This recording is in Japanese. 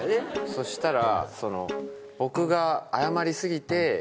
そしたら。